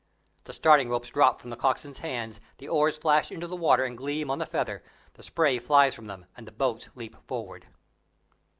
The starting ropes drop from the coxswains' hands, the oars flash into the water and gleam on the feather, the spray flies from them, and the boats leap forward.